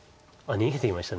逃げていきました。